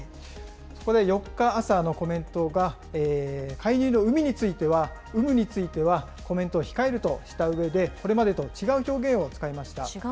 そこで４日朝のコメントが、介入の有無については、コメントを控えるとしたうえで、これまでと違う表現を使いました。